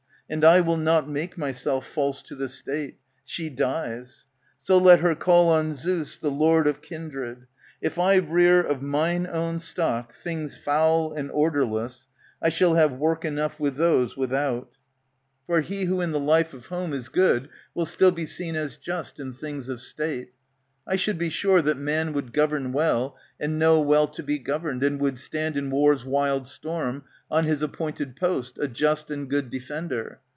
And 1 will not make myself False to the State. She dies. So let her call On Zeus, the lord of kindred. If I rear Of mine own stock things foul and orderless, I shall have work enough with those without. ^ 163 ANTIGONE For he who in the life of home is good Will still be seen as just in things of state ; I should be sure that man would govern well, And know well to be governed, and would stand In war's wild storm, on his appointed post, *^* A just and good defender.